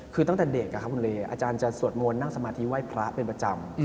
คือตั้งแต่เด็กคุณเลอาจารย์จะสวดมนต์นั่งสมาธิไห้พระเป็นประจำ